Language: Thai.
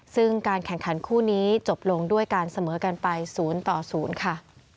ซึ่งการแข่งขันคู่นี้จบลงด้วยการเสมอกันไป๐ต่อ๐ค่ะ